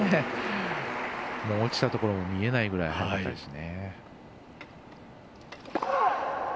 落ちたところも見えないくらい速かったですね。